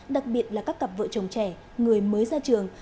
đặc biệt là các cặp vợ chồng trẻ người mới ra trường